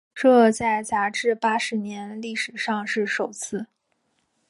这在杂志八十年历史上是首次。